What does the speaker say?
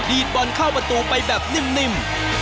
ดีดบอลเข้าประตูไปแบบนิ่ม